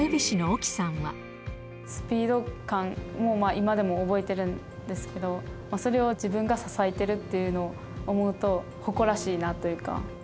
スピード感も、今でも覚えてるんですけど、それを自分が支えてるっていうのを思うと、誇らしいなというか。